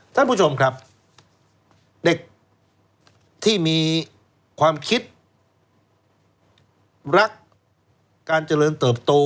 ท่านผู้ชมครับเด็กที่มีความคิดรักการเจริญเติบโต